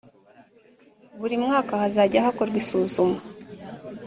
buri mwaka hazajya hakorwa isuzuma